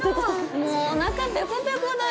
もうおなかペコペコだよ。